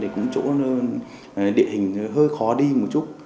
cũng chỗ địa hình hơi khó đi một chút